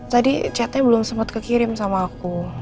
tadi chatnya belum sempat kekirim sama aku